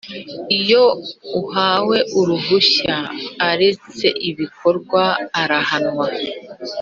Iyo uwahawe uruhushya aretse ibikorwa arahanwa